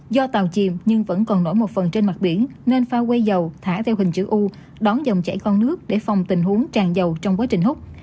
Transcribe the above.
do tàu chìm nhưng vẫn còn nổi một phần trên mặt biển nên phao quay dầu thả theo hình chữ u đón dòng chảy con nước để phòng tình huống tràn dầu trong quá trình hút